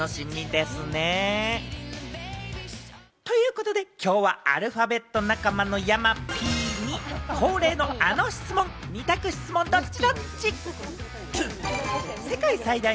楽しみですね。ということで今日はアルファベット仲間の山Ｐに恒例のあの質問、二択質問、ドッチ？